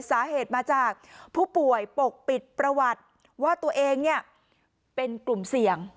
สาเหตุมาจากผู้ป่วยปกปิดประวัติว่าตัวเองเนี่ยเป็นกลุ่มเสี่ยง